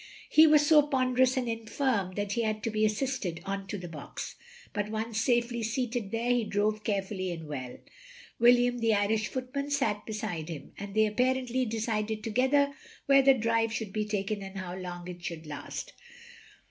He was so ponderous and infirm that he had to be assisted on to the box ; but once safely seated there, he drove careftilly and well. William the Irish footman sat beside him, and they apparently decided together where the drive shotild be taken and how long it should last.